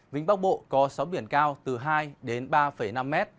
vĩnh bắc bộ có sóng biển cao từ hai đến ba năm m